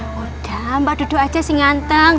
ya udah mbak dudu aja sih nganteng